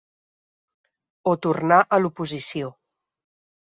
O tornar a l’oposició.